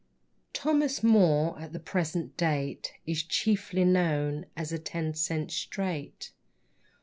Thomas Moore, at the present date, Is chiefly known as "a ten cent straight."